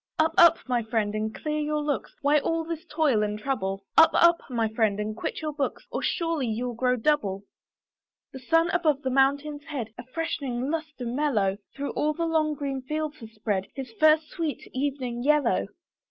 Up! up! my friend, and clear your looks, Why all this toil and trouble? Up! up! my friend, and quit your books, Or surely you'll grow double. The sun above the mountain's head, A freshening lustre mellow, Through all the long green fields has spread, His first sweet evening yellow.